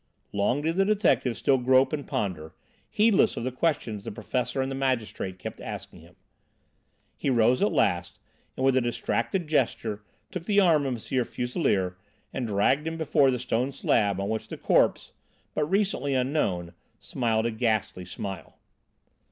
Long did the detective still grope and ponder, heedless of the questions the professor and the magistrate kept asking him. He rose at last, and with a distracted gesture took the arm of M. Fuselier, and dragged him before the stone slab on which the corpse, but recently unknown, smiled a ghastly smile.